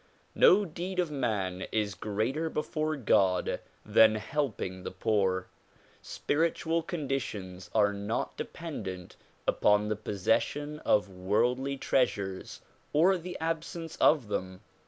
No deed of man is greater before God than helping the poor. Spiritual conditions are not dependent upon the possession of worldly treas ures or the absence of them.